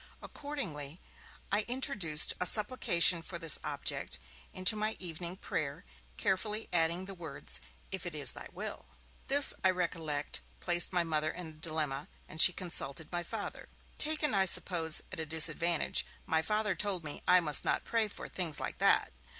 Accordingly, I introduced a supplication for this object into my evening prayer, carefully adding the words: 'If it is Thy will.' This, I recollect, placed my Mother in a dilemma, and she consulted my Father. Taken, I suppose, at a disadvantage, my Father told me I must not pray for 'things like that'.